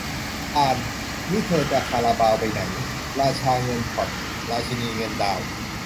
ปาน นี่เธอจะคาราบาวไปไหน ราชาเงินผ่อน ราชินีเงินดาวน์